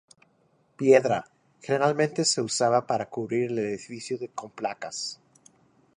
Piedra: generalmente se usaba para cubrir el edificio con placas.